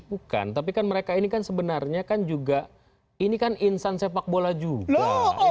bukan tapi kan mereka ini kan sebenarnya kan juga ini kan insan sepak bola juga